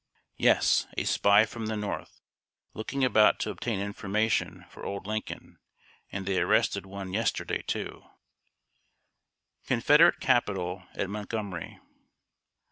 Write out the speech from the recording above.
"Yes, a spy from the North, looking about to obtain information for old Lincoln; and they arrested one yesterday, too." [Sidenote: CONFEDERATE CAPITOL AT MONTGOMERY.